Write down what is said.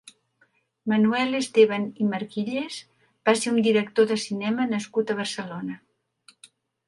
Manuel Esteban i Marquilles va ser un director de cinema nascut a Barcelona.